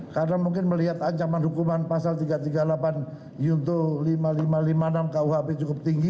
karena mungkin melihat ancaman hukuman pasal tiga ratus tiga puluh delapan yuntuh lima ribu lima ratus lima puluh enam kuhp cukup tinggi